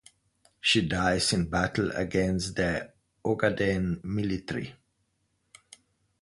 She dies in battle against the Ogaden Military.